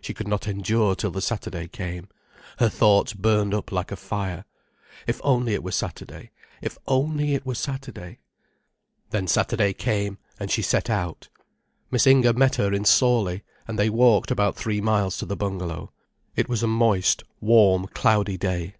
She could not endure till the Saturday came, her thoughts burned up like a fire. If only it were Saturday, if only it were Saturday. Then Saturday came, and she set out. Miss Inger met her in Sawley, and they walked about three miles to the bungalow. It was a moist, warm cloudy day.